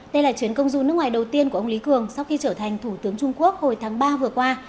đây là chuyến công du nước ngoài đầu tiên của ông lý cường sau khi trở thành thủ tướng trung quốc hồi tháng ba vừa qua